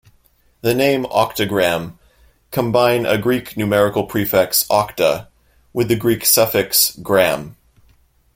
The name "octagram" combine a Greek numeral prefix, "octa-", with the Greek suffix "-gram".